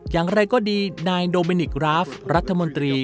อย่างไรก็ดีนายโดมินิกราฟรัฐมนตรี